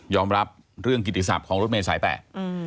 ยอมรับเรื่องกิตติศัพท์ของรถเมศสายแปด